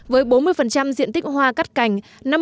với bốn mươi diện tích hoa cắt cành